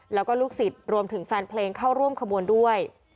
แล้วก็ลูกศิษย์รวมถึงแฟนเพลงเข้าร่วมขบวนด้วย